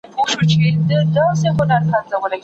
ولي افغان سوداګر طبي درمل له پاکستان څخه واردوي؟